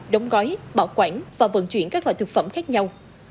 đóng gói bảo quản và vận chuyển các loại thực phẩm khác nhau